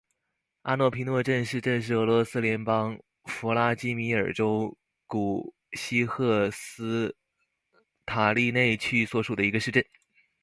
阿诺皮诺镇市镇是俄罗斯联邦弗拉基米尔州古西赫鲁斯塔利内区所属的一个市镇。